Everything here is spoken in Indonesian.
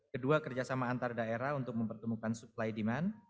kedua kerjasama antar daerah untuk mempertemukan supply demand